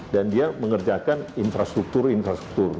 dan dia mengerjakan infrastruktur infrastruktur